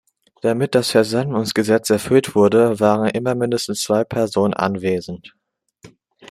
Damit das Versammlungsgesetz erfüllt wurde, waren immer mindestens zwei Personen anwesend.